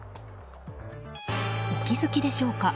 お気づきでしょうか？